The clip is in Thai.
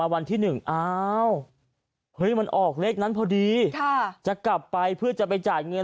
วันที่๑อ้าวเฮ้ยมันออกเลขนั้นพอดีจะกลับไปเพื่อจะไปจ่ายเงิน